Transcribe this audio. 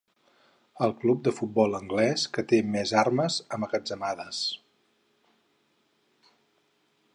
El club de futbol anglès que té més armes emmagatzemades.